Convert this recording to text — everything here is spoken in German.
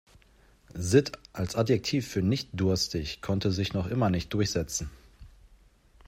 Sitt als Adjektiv für nicht-durstig konnte sich noch immer nicht durchsetzen.